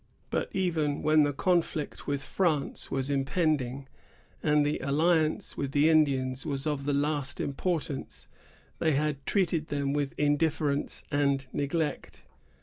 But even when the conflict with France was impending, and the alliance with the Indians was of the last importance, they had treated them with indifference and neglect.